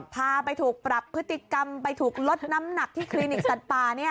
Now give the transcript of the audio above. พาไปถูกปรับพฤติกรรมไปถูกลดน้ำหนักที่คลินิกสัตว์ป่า